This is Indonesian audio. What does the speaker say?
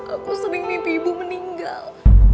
aku sedih mimpi ibu meninggal